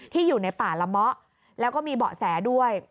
อยู่ในป่าละเมาะแล้วก็มีเบาะแสด้วย